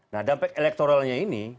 nah dampak elektoralnya ini